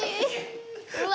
うわ！